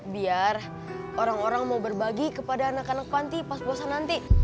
biar orang orang mau berbagi kepada anak anak panti pas puasa nanti